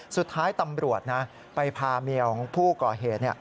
สุดท้ายตำรวจนะไปพาเมียของผู้ก่อเหตุ